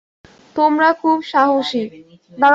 তোমরা খুব সাহসী।